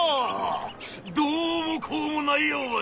どうもこうもないよおい！